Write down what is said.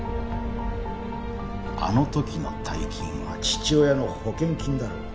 あの時の大金は父親の保険金だろう？